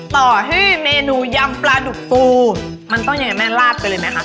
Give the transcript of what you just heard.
ต่อให้เมนูยำปลาดุกปูมันต้องยังไงแม่ลาดไปเลยไหมคะ